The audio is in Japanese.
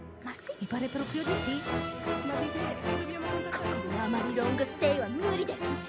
ここもあまりロングステイは無理ですね。